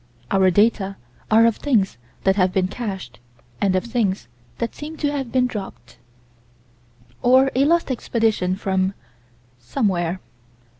Our data are of things that have been cached, and of things that seem to have been dropped Or a Lost Expedition from Somewhere.